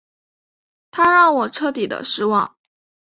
他让我彻底的失望